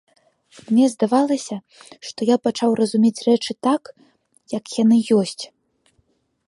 Мне здавалася, што я пачаў разумець рэчы так, як яны ёсць.